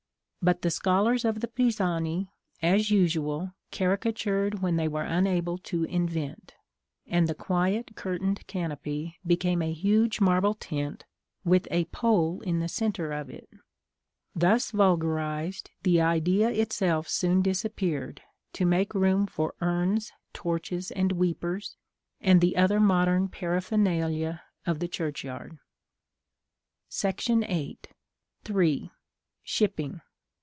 But the scholars of the Pisani, as usual, caricatured when they were unable to invent; and the quiet curtained canopy became a huge marble tent, with a pole in the centre of it. Thus vulgarised, the idea itself soon disappeared, to make room for urns, torches, and weepers, and the other modern paraphernalia of the churchyard. § VIII. 3. Shipping.